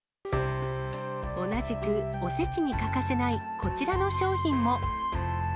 同じく、おせちに欠かせないこちらの商品も。